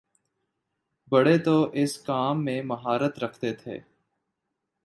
بڑے تو اس کام میں مہارت رکھتے تھے۔